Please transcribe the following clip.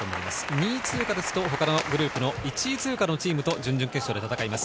２位通過だと他のリーグの１位通過のチームと準々決勝で戦います。